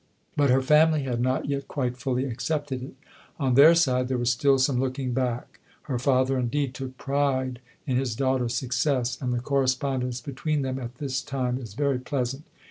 But her family had not yet quite fully accepted it. On their side there was still some looking back. Her father, indeed, took pride in his daughter's success, and the correspondence between them at this time is very pleasant.